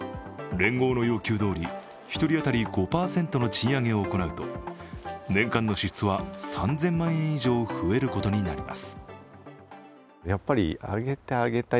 連合の要求どおり、１人当たり５％の賃上げを行うと、年間の支出は３０００万円以上増えることになります。